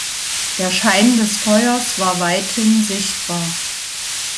Der Schein des Feuers war weithin sichtbar.